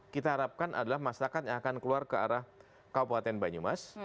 kita harapkan adalah masyarakat yang akan keluar ke arah kabupaten banyumas